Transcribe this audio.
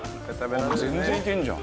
全然いけるじゃん。